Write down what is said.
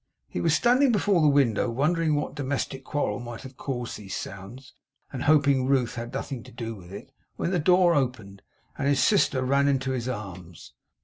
He was standing before the window, wondering what domestic quarrel might have caused these sounds, and hoping Ruth had nothing to do with it, when the door opened, and his sister ran into his arms.